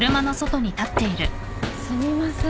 ・すみません